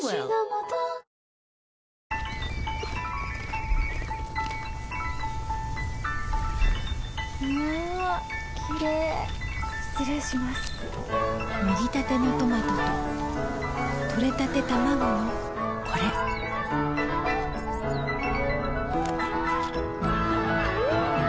もぎたてのトマトととれたてたまごのこれん！